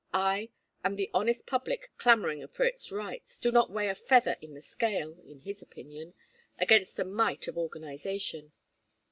I, and the honest public clamoring for its rights, do not weigh a feather in the scale, in his opinion, against the might of organization."